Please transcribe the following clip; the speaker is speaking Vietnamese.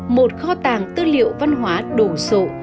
một kho tàng tư liệu văn hóa đồ sộ